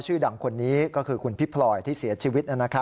ชื่อดังคนนี้ก็คือคุณพี่พลอยที่เสียชีวิต